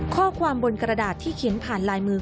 ข้อความบนกระดาษที่เขียนผ่านลายมือ